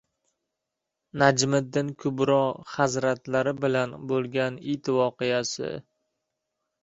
Najmiddin Kubro hazratlari bilan bo‘lgan it voqeasi